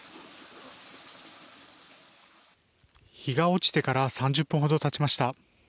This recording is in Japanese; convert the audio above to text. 日が落ちてから３０分ほどたちました。